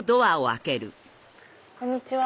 こんにちは。